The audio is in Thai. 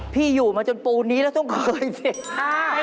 พี่อยู่มาจนปูนนี้แล้วต้องเคยสิ